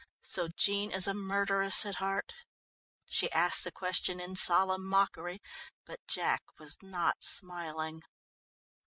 So Jean is a murderess at heart?" She asked the question in solemn mockery, but Jack was not smiling.